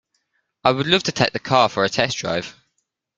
I would love to take the car for a test drive.